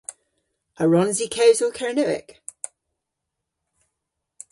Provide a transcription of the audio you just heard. A wrons i kewsel Kernewek?